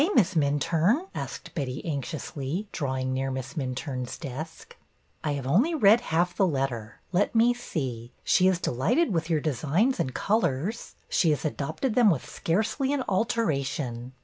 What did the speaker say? Miss Min turne ? asked Betty, anxiously, drawing near Miss Minturne's desk. I have read only half the letter. Let me see. She is delighted with your designs and colors. She has adopted them with scarcely an altera tion.